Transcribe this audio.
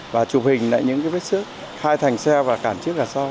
và chụp hình lại những vết xước hai thành xe và cản trước cả sau